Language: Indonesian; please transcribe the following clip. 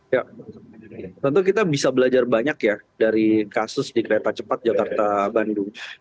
ya tentu kita bisa belajar banyak ya dari kasus di kereta cepat jakarta bandung